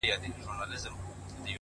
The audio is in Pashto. • میکده په نامه نسته؛ هم حرم هم محرم دی؛